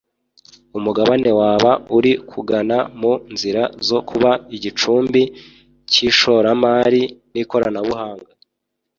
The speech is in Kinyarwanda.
umugabane waba uri kugana mu nzira zo kuba igicumbi cy’ishoramari n’ikoranabuhanga